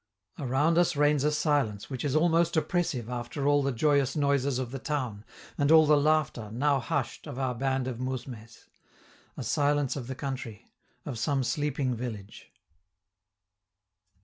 Around us reigns a silence which is almost oppressive after all the joyous noises of the town, and all the laughter, now hushed, of our band of mousmes a silence of the country, of some sleeping village.